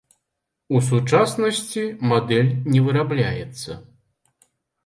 У сучаснасці мадэль не вырабляецца.